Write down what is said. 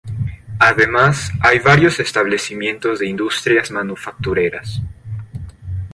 Además, hay varios establecimientos de industrias manufactureras.